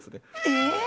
え！